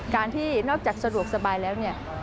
การที่นอกจากสะดวกสบายแล้วเนี่ย